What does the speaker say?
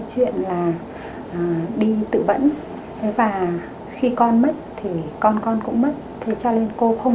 thì bên mình sẽ phải họp ekip